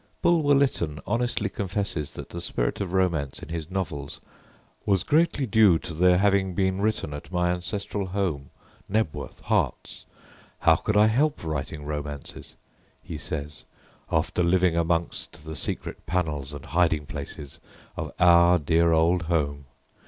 Bulwer Lytton honestly confesses that the spirit of romance in his novels "was greatly due to their having been written at my ancestral home, Knebworth, Herts. How could I help writing romances," he says, "after living amongst the secret panels and hiding places of our dear old home?